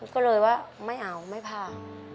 ก็เลยว่าไม่เอาไม่พา